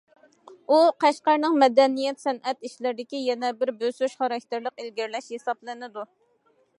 ئۇ، قەشقەرنىڭ مەدەنىيەت- سەنئەت ئىشلىرىدىكى يەنە بىر بۆسۈش خاراكتېرلىك ئىلگىرىلەش ھېسابلىنىدۇ.